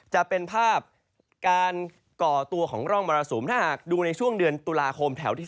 จะเป็นภาพการก่อตัวของร่องมรสุมถ้าหากดูในช่วงเดือนตุลาคมแถวที่๓